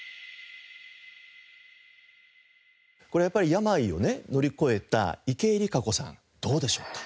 病をね乗り越えた池江璃花子さんどうでしょうか？